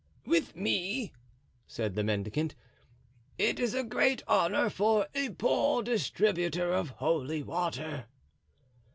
"With me!" said the mendicant; "it is a great honor for a poor distributor of holy water."